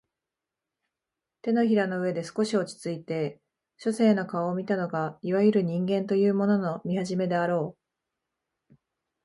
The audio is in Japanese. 掌の上で少し落ちついて書生の顔を見たのがいわゆる人間というものの見始めであろう